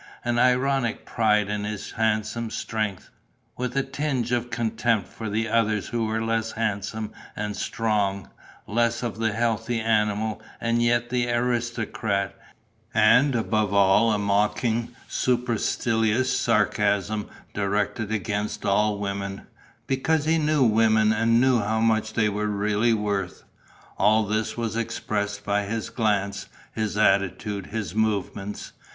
An ironic pride in his handsome strength, with a tinge of contempt for the others who were less handsome and strong, less of the healthy animal and yet the aristocrat, and above all a mocking, supercilious sarcasm directed against all women, because he knew women and knew how much they were really worth: all this was expressed by his glance, his attitude, his movements.